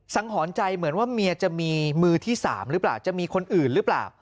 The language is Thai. หอนใจเหมือนว่าเมียจะมีมือที่๓หรือเปล่าจะมีคนอื่นหรือเปล่า